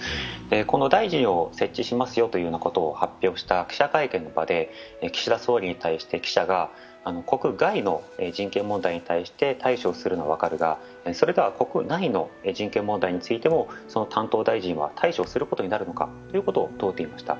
この大臣を設置しますよということを発表した記者会見で、岸田総理に対して記者が、国外の人権問題に対して対処をするのは分かるが、それでは国内の人権問題についてこの大臣は対処することになるのかということを問うていました。